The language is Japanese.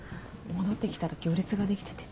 戻って来たら行列が出来てて。